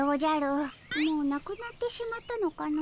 もうなくなってしまったのかの。